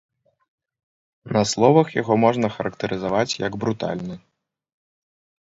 На словах яго можна ахарактарызаваць як брутальны.